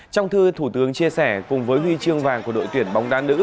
trong thư thủ tướng chia sẻ cùng với huy chương vàng của đội tuyển bóng đá nữ